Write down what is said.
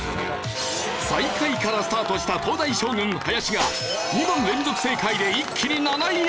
最下位からスタートした東大将軍林が２問連続正解で一気に７位へ！